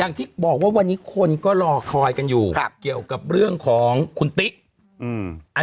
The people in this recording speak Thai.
อย่างที่บอกว่าวันนี้คนก็รอคอยกันอยู่ครับเกี่ยวกับเรื่องของคุณติ๊กอืม